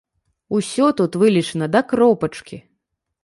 Усё тут вылічана да кропачкі.